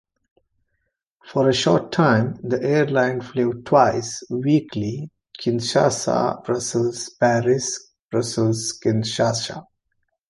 For a short time, the airline flew twice weekly Kinshasa-Brussels-Paris-Brussels-Kinshasa.